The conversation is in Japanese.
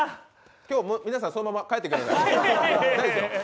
今日皆さんそのまま帰ってください。